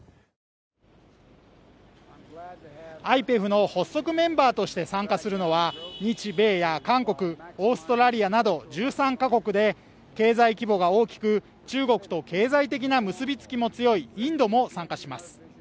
ＩＰＥＦの発足メンバーとして参加するのは、日米や韓国、オーストラリアなど１３カ国で経済規模が大きく中国と経済的な結びつきも強いインドも参加します。